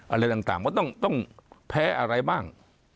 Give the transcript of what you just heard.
อะไรต่างก็ต้องแพ้อะไรบ้าง